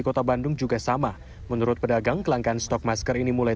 kota bandung juga sama menurut pedagang kelangkaan stok masker ini mulai